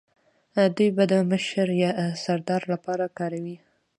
دوی به د مشر یا سردار لپاره کاروی